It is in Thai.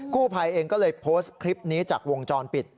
กู้ภัยเองก็เลยโพสต์คลิปนี้จากวงจรปิด